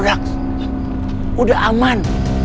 aduh udah aman